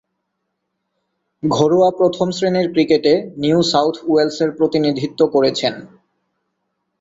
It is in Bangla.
ঘরোয়া প্রথম-শ্রেণীর ক্রিকেটে নিউ সাউথ ওয়েলসের প্রতিনিধিত্ব করেছেন।